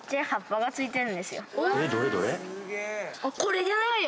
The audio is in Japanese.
これじゃないよ。